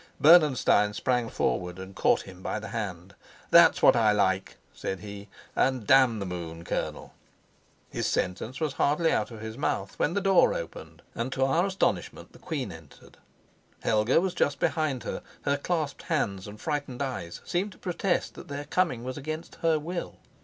Bernenstein sprang forward and caught him by the hand. "That's what I like," said he, "and damn the moon, colonel!" His sentence was hardly out of his mouth when the door opened, and to our astonishment the queen entered. Helga was just behind her; her clasped hands and frightened eyes seemed to protest that their coming was against her will.